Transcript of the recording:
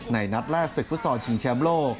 นัดแรกศึกฟุตซอลชิงแชมป์โลก